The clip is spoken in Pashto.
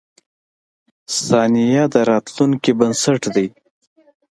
• ثانیه د راتلونکې بنسټ دی.